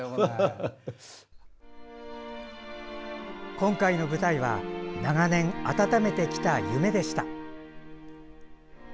今回の舞台は長年温めてきた夢でした。